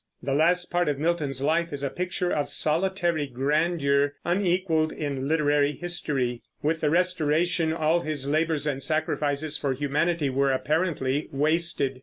The last part of Milton's life is a picture of solitary grandeur unequaled in literary history. With the Restoration all his labors and sacrifices for humanity were apparently wasted.